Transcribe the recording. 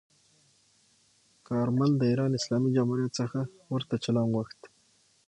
کارمل د ایران اسلامي جمهوریت څخه ورته چلند غوښت.